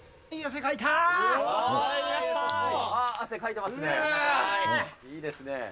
いいですね。